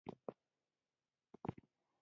کرکټرونه یې د تاریخ پر افسانوي سټېج ټکر کوي.